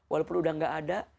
walaupun udah gak ada